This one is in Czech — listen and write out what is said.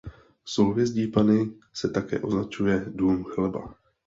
Souhvězdí Panny se také označuje „dům chleba“.